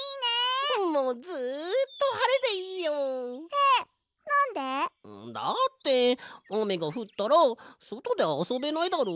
えなんで？だってあめがふったらそとであそべないだろ？